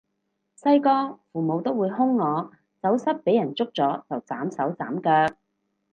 細個父母都會兇我走失畀人捉咗就斬手斬腳